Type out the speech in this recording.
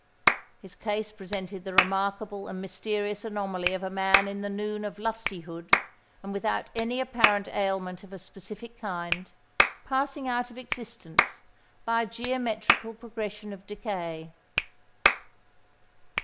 His case presented the remarkable and mysterious anomaly of a man in the noon of lusty hood, and without any apparent ailment of a specific kind, passing out of existence by a geometrical progression of decay.